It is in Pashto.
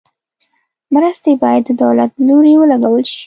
مرستې باید د دولت له لوري ولګول شي.